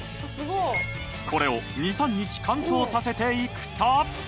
これを２３日乾燥させていくと。